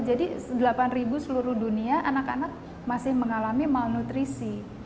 jadi delapan ribu seluruh dunia anak anak masih mengalami malnutrisi